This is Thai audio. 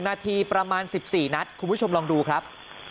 นาทีประมาณ๑๔นัดคุณผู้ชมลองดูครับ